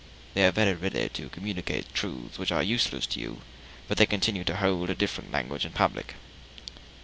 They are very ready to communicate truths which are useless to you, but they continue to hold a different language in public.